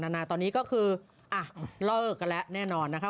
นานาตอนนี้ก็คือเลิกกันแล้วแน่นอนนะคะ